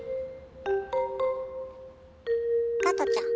加トちゃん。